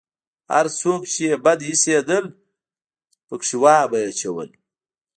هر څوک چې يې بد اېسېدل پکښې وابه يې چول.